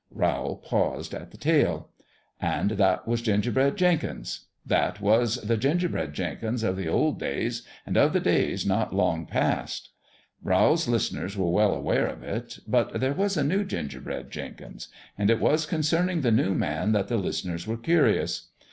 " Rowl paused in the tale. And that was Gingerbread Jenkins : that was the Gingerbread Jenkins of the old days and of the days not long past. RowFs listeners were well aware of it. But there was a new Ginger bread Jenkins ; and it was concerning the new man that the listeners were curious.